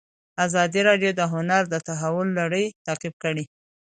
ازادي راډیو د هنر د تحول لړۍ تعقیب کړې.